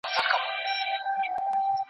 اجتماعي ژوند ډېرې ګټي لري.